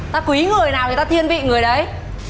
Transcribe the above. tao quý người nào thì tao thiên vị người đấy